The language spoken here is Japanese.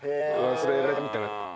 忘れられたみたいな。